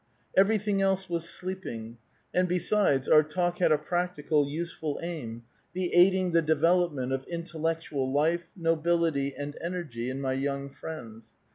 Everything else was sleeping; and besides, our talk had a practical, useful aim, — the aiding the develop ment of intellectual life, nobility, and energy in my young friends.